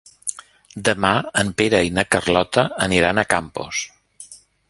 Demà en Pere i na Carlota aniran a Campos.